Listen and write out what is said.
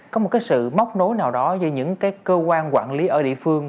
có một sự móc nối nào đó giữa những cơ quan quản lý ở địa phương